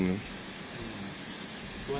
เพราะว่า